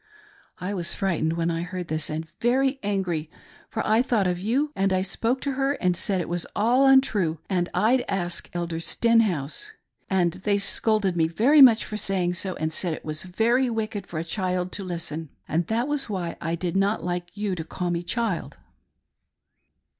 I was frightened when I heard this, and very angry — for I thought of you — and I spoke to her and said it was . all untrue and I'd ask Elder Stenhouse ; and they scolded me very much for saying so, and said it was very wicked for a child to listen, and that was why I did not like you to call me ' child.'